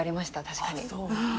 確かに。